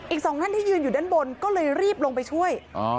อีกสองท่านที่ยืนอยู่ด้านบนก็เลยรีบลงไปช่วย